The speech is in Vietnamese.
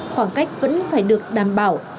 khoảng cách vẫn phải được đảm bảo